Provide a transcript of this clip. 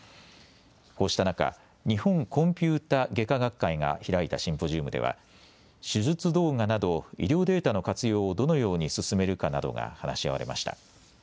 こうした中、日本コンピュータ外科学会が開いたシンポジウムでは手術動画など医療データの活用をどのように進めるかなどが話し合われました。